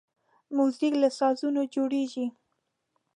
موزیک له سازونو جوړیږي.